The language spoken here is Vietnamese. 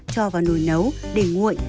cho vào nồi nấu để nguội